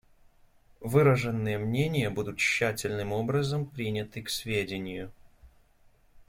Выраженные мнения будут тщательным образом приняты к сведению.